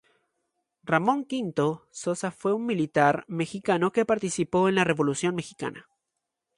Ramón V. Sosa fue un militar mexicano que participó en la Revolución mexicana.